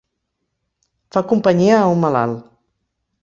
Fa companyia a un malalt.